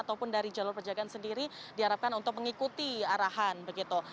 ataupun dari jalur perjagaan sendiri diharapkan untuk mengikuti arahan begitu